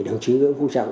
đồng chí nguyễn phúc trọng